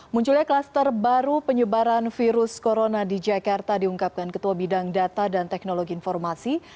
munculnya klaster baru penyebaran virus corona di jakarta diungkapkan ketua bidang data dan teknologi informasi